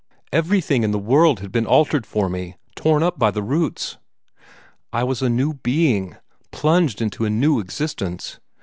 Everything in the world had been altered for me, torn up by the roots. I was a new being, plunged into a new existence.